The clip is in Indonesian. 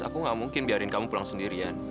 aku gak mungkin biarin kamu pulang sendirian